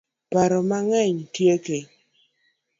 Paro mang'eny tieke